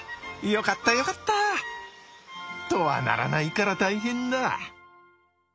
よかったよかった！とはならないから大変だ。